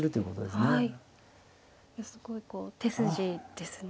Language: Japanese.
すごいこう手筋ですね。